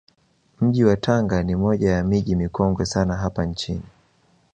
Mji wa Tanga ni moja ya miji mikongwe sana hapa nchini